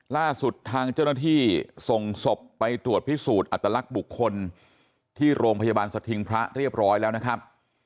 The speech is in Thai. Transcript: ล่าสุดทางเจ้าหน้าที่ส่งศพไปตรวจพิสูจน์อัตลักษณ์บุคคลที่โรงพยาบาลสถิงพระเรียบร้อยแล้วนะครับ